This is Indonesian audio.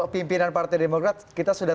pimpinan partai demokrat kita sudah